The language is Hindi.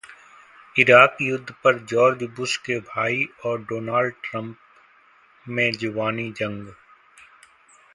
इराक युद्ध पर जॉर्ज बुश के भाई और डोनाल्ड ट्रंप में जुबानी जंग